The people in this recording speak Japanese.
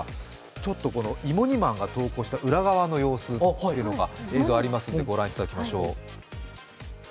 ちょっと芋煮マンが同行した裏側の様子という映像がありますのでご覧いただきましょう。